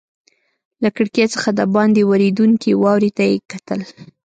له کړکۍ څخه دباندې ورېدونکې واورې ته کتل.